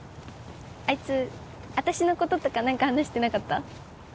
あいつ私のこととか何か話してなかった？